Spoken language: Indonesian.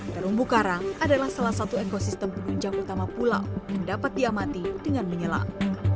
terumbu karang adalah salah satu ekosistem penunjang utama pulau yang dapat diamati dengan menyelam